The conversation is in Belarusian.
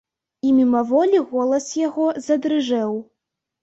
І мімаволі голас яго задрыжэў.